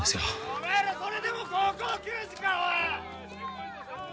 お前らそれでも高校球児かおい！